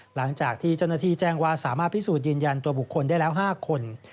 หลังจากที่เจ้าหน้าที่แจ้งว่าสามารถพิสูจน์ยืนยันตัวบุคคลได้แล้ว๕คน